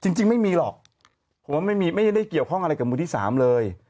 จริงจริงไม่มีหรอกเพราะว่าไม่มีไม่ได้เกี่ยวข้องอะไรกับมูลที่สามเลย